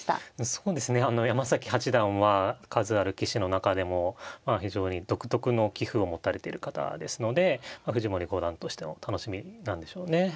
そうですねあの山崎八段は数ある棋士の中でも非常に独特の棋風を持たれている方ですので藤森五段としても楽しみなんでしょうね。